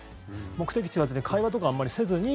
目的地言わずに会話とかあまりせずに。